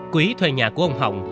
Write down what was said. quý thuê nhà của ông hồng